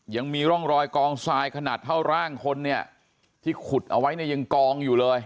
ยังมีร่องรอยกองทรายขนาดเท่าร่างคนเนี่ยที่ขุดเอาไว้เนี่ยยังกองอยู่เลย